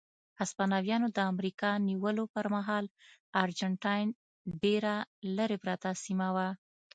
هسپانویانو د امریکا نیولو پر مهال ارجنټاین ډېره لرې پرته سیمه وه.